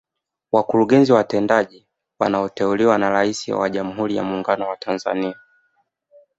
Wakurugenzi watendaji wanaoteuliwa na Rais wa Jamhuri ya Muungano wa Tanzania